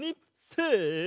せの！